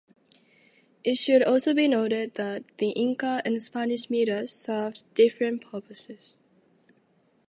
It should also be noted that the Inca and Spanish mitas served different purposes.